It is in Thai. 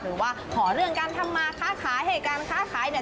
หรือว่าขอเรื่องการทำมาค้าขายให้การค้าขายเนี่ย